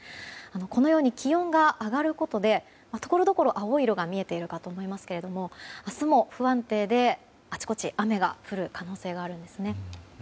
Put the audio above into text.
このように気温が上がることでところどころ青い色が見えているかと思いますが明日も不安定であちこち雨が降る可能性があるんですね。